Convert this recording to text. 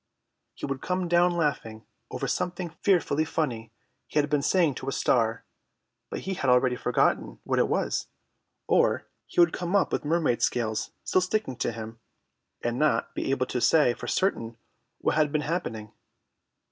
He would come down laughing over something fearfully funny he had been saying to a star, but he had already forgotten what it was, or he would come up with mermaid scales still sticking to him, and yet not be able to say for certain what had been happening.